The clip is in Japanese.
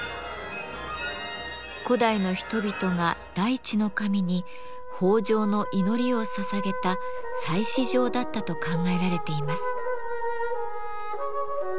古代の人々が大地の神に豊穣の祈りをささげた祭祀場だったと考えられています。